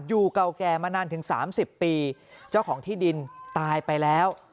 เก่าแก่มานานถึง๓๐ปีเจ้าของที่ดินตายไปแล้ว